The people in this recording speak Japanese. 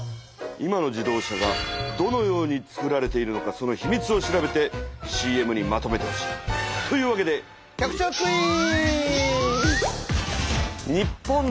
今の自動車がどのようにつくられているのかそのひみつを調べてＣＭにまとめてほしい。というわけで局長クイズ！